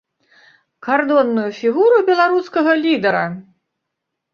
Кардонную фігуру беларускага лідара!